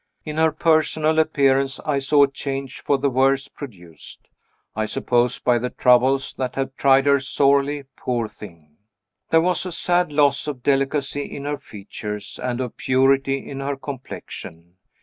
In her personal appearance, I saw a change for the worse: produced, I suppose, by the troubles that have tried her sorely, poor thing. There was a sad loss of delicacy in her features, and of purity in her complexion.